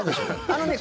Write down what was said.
あのね